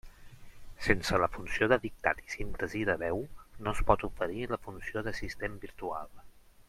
Sense la funció de dictat i síntesi de veu no es pot oferir la funció d'assistent virtual.